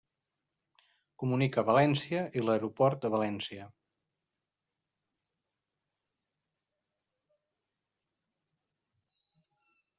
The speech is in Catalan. Comunica València i l'aeroport de València.